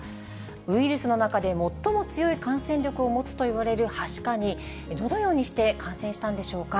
ウイルスの中で最も強い感染力を持つといわれるはしかに、どのようにして感染したんでしょうか。